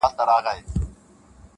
ته هم چا یې پر نزله باندي وهلی؟-